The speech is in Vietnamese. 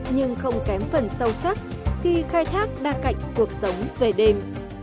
nhưng không kém phần sâu sắc khi khai thác đa cạnh cuộc sống về đêm